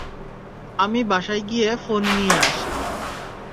আমি বাসায় গিয়ে ফোন নিয়ে আসি।